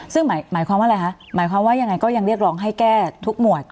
ซึ่งหมายความว่าอะไรคะหมายความว่ายังไงก็ยังเรียกร้องให้แก้ทุกหมวด